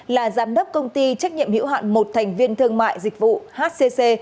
là giám đốc công ty trách nhiệm hữu hạn một thành viên thương mại dịch vụ hcc